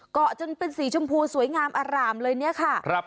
จนเป็นสีชมพูสวยงามอร่ามเลยเนี่ยค่ะ